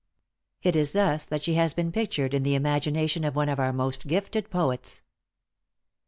It is thus that she has been pictured in the imagination of one of our most gifted poets.